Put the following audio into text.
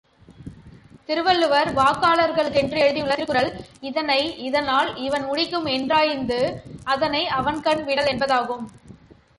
திருவள்ளுவர், வாக்காளருக்கென்று எழுதியுள்ள திருக்குறள் இதனை இதனால் இவன் முடிக்கும் என்றாய்ந்து அதனை அவன்கண் விடல் என்பதாகும்.